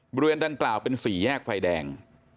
บริเวณดังกล่าวเป็นสี่แยกไฟแดง